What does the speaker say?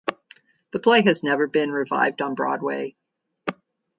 The play has never been revived on Broadway.